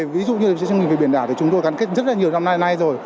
ví dụ như chương trình về biển đảo thì chúng tôi gắn kết rất là nhiều năm nay rồi